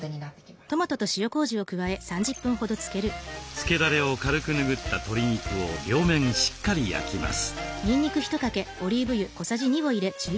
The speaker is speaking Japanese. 漬けだれを軽くぬぐった鶏肉を両面しっかり焼きます。